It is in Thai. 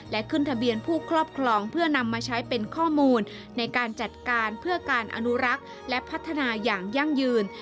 และขึ้นทะเบียนผู้ครอบครองเพื่อนำมาใช้เป็นข้อมูลในการจัดการเพื่อการอนุรักษ์และพัฒนาอย่างยั่งยืน